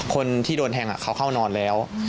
คนที่โดนแทงเขาเข้านอนแล้ว